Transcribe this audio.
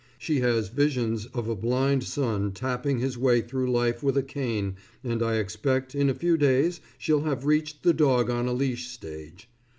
She has visions of a blind son tapping his way through life with a cane and I expect in a few days, she'll have reached the dog on a leash stage.